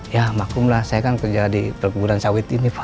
ya makum lah saya kan kerja di perkebunan sawit ini pak